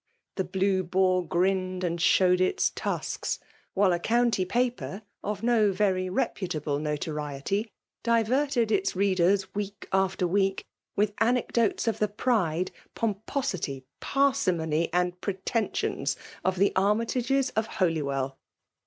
The Blue Boar grinned and showed its tusks ; while a County paper, <^no very reputable notoriety, diverted its readers, week after week, with anecdotes of the pride, pomposity, parsimony, and pretdnsions, of the Artny tagcs of Holywell.